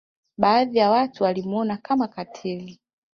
Baadhi ya watu walimwona Kama katili